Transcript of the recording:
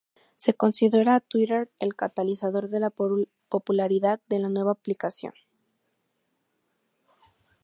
Se considera a Twitter el catalizador de la popularidad de la nueva aplicación.